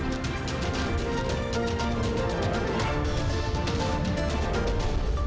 budi adiputro kembang kebebasan